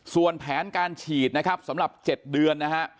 ส่วนแผนการฉีดนะครับสำหรับ๗เดือนนะฮะ